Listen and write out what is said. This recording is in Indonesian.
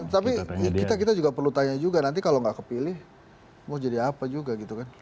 tapi kita juga perlu tanya juga nanti kalau nggak kepilih mau jadi apa juga gitu kan